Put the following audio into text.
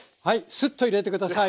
スッと入れて下さい。